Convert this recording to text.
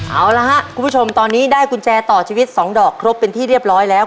เอาละครับคุณผู้ชมตอนนี้ได้กุญแจต่อชีวิต๒ดอกครบเป็นที่เรียบร้อยแล้ว